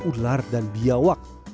ular dan biawak